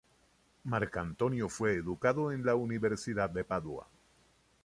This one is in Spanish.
Marcantonio fue educado en la Universidad de Padua.